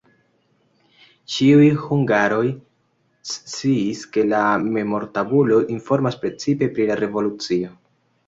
Ĉiuj hungaroj sciis, ke la memortabulo informas precipe pri la revolucio.